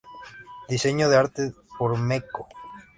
Diseño de arte por Me Co.